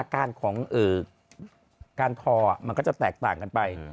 กลาย